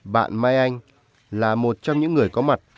bạn mai anh là một trong những người có mặt